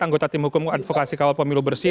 anggota tim hukum advokasi kawal pemilu bersih